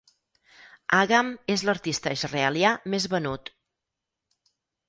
Agam és l'artista israelià més venut.